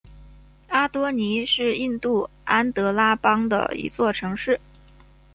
阿多尼是印度安得拉邦的一座城市。